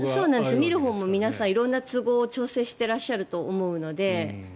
見るほうも、皆さん色んな都合を調整していらっしゃると思うので。